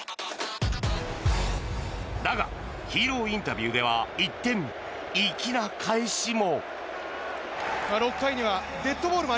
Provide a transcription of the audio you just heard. だがヒーローインタビューでは一転、粋な返しも。